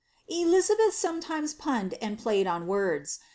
Elizabeth sometimes punned and played on words.